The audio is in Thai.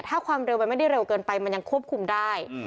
ถ้าความเร็วมันไม่ได้เร็วเกินไปมันยังควบคุมได้